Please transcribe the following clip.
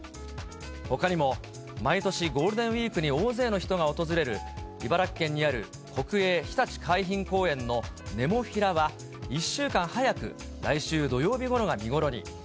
ほかにも、毎年ゴールデンウィークに大勢の人が訪れる、茨城県にある国営ひたち海浜公園のネモフィラは、１週間早く、来週土曜日ごろが見頃に。